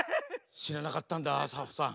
しらなかったんだぁサボさん。